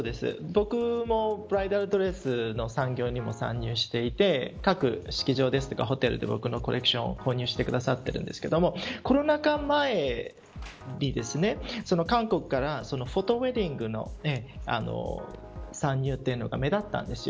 僕もブライダルドレスの産業にも参入していて各式場やホテルで僕のコレクションを購入してくださっているんですけどコロナ禍前に韓国からフォトウエディングの参入というのが目立ったんです。